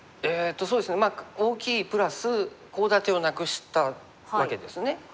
そうですね大きいプラスコウ立てをなくしたわけですね。